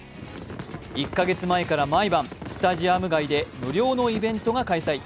１か月前から毎晩、スタジアム前で無料のイベントが開催。